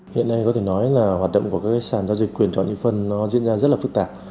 hiện nay có thể nói là hoạt động của các sản giao dịch quyền chọn nhị phân nó diễn ra rất là phức tạp